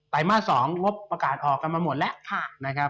ไตมา๒ลบประกาศออกันมาหมดแล้วค่ะ